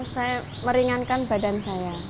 saya meringankan badan saya